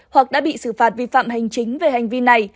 hoặc đã bị xử phạt vi phạm hành chính về hành vi này